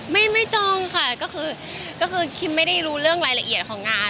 ไม่จ้องค่ะก็คือคิมไม่ได้รู้เรื่องรายละเอียดของงาน